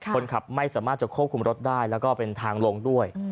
คนขับไม่สามารถจะควบคุมรถได้แล้วก็เป็นทางลงด้วย